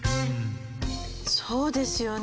そうですよね。